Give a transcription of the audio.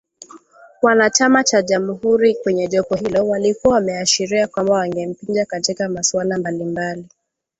Wanachama cha Jamuhuri kwenye jopo hilo walikuwa wameashiria kwamba wangempinga katika masuala mbalimbali